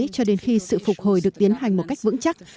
cho đến khi sự phục hồi được tiến hành một cách vững chắc